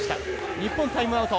日本、タイムアウト。